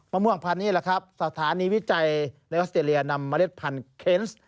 ม่วงพันธุนี่แหละครับสถานีวิจัยในออสเตรเลียนำเมล็ดพันธุ์เคนส